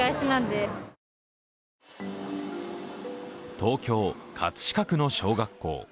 東京・葛飾区の小学校。